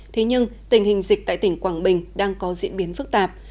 thế nhưng tình hình dịch tại tỉnh quảng bình đang có diễn biến phức tạp